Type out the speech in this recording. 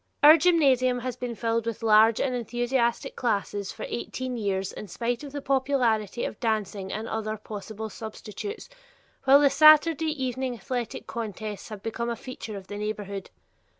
Our gymnasium has been filled with large and enthusiastic classes for eighteen years in spite of the popularity of dancing and other possible substitutes, while the Saturday evening athletic contests have become a feature of the neighborhood.